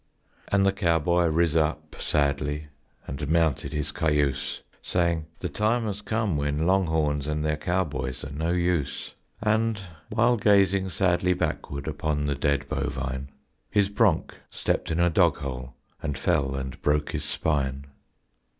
And the cowboy riz up sadly And mounted his cayuse, Saying, "The time has come when longhorns And their cowboys are no use!" And while gazing sadly backward Upon the dead bovine, His bronc stepped in a dog hole And fell and broke his spine.